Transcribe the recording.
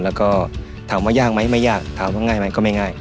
แล้วก็ถามว่ายากไหมไม่ยากถามว่าง่ายไหมก็ไม่ง่าย